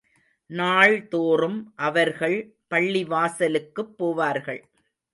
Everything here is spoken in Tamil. நாள்தோறும் அவர்கள் பள்ளிவாசலுக்குப் போவார்கள்.